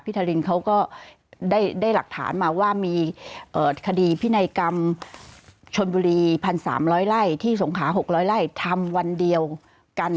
พี่ทารินเขาก็ได้หลักฐานมาว่ามีคดีพินัยกรรมชนบุรีพันสามร้อยไล่ที่สงขาหกร้อยไล่ทำวันเดียวกัน